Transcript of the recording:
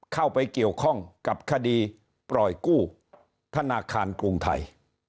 เข้าไปเกี่ยวข้องกับคดีปล่อยกู้ธนาคารกรุงไทย